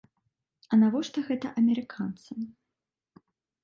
А навошта гэта амерыканцам?